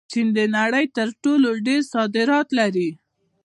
چین د نړۍ تر ټولو ډېر صادرات لري.